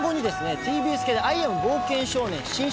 ＴＢＳ系で「アイ・アム・冒険少年新春！